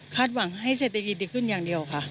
หวังให้เศรษฐกิจดีขึ้นอย่างเดียวค่ะ